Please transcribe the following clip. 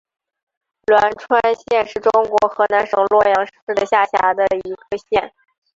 栾川县是中国河南省洛阳市的下辖一个县。